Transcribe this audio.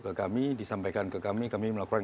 ke kami disampaikan ke kami kami melakukan